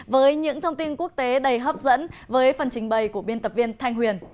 với những thông tin quốc tế đầy hấp dẫn với phần trình bày của biên tập viên thanh huyền